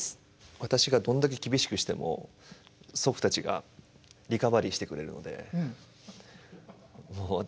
私がどんだけ厳しくしても祖父たちがリカバリーしてくれるのでもう